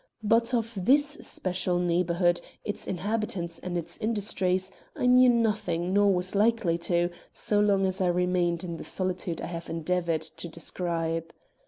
But of this special neighborhood, its inhabitants and its industries, I knew nothing nor was likely to, so long as I remained in the solitude I have endeavored to describe.